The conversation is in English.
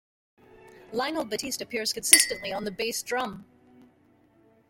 Lionel Batiste appears consistently on the bass drum.